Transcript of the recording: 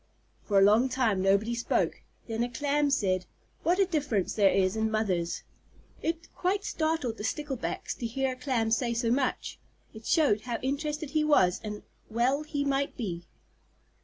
For a long time nobody spoke; then a Clam said, "What a difference there is in mothers!" It quite startled the Sticklebacks to hear a Clam say so much. It showed how interested he was, and well he might be.